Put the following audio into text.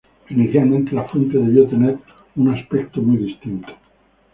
Inicialmente, la fuente debió tener un aspecto muy distinto.